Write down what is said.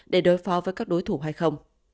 để đối phó với các đối thủ hay không